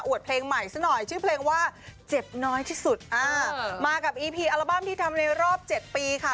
เพลงใหม่ซะหน่อยชื่อเพลงว่าเจ็บน้อยที่สุดอ่ามากับอีพีอัลบั้มที่ทำในรอบเจ็ดปีค่ะ